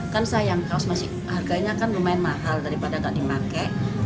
kan sayang harganya kan lumayan mahal daripada tak dimakai